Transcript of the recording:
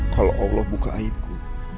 kalau allah buka aibku